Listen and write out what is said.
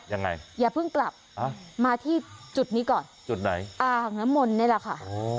ยังไงอย่าเพิ่งกลับอ่ามาที่จุดนี้ก่อนจุดไหนอ่าหงะมนต์นี่แหละค่ะ